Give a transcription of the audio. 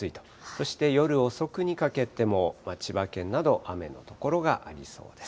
そして夜遅くにかけても、千葉県など雨の所がありそうです。